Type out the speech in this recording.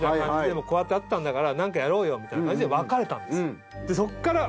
こうやって会ったんだから何かやろうよみたいな感じで別れたんですよ。